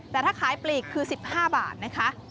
แต่ถ้าขายปลีกคือ๑๕บาทนะคะ